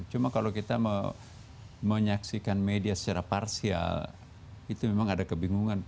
cuma kalau kita menyaksikan media secara parsial itu memang ada kebingungan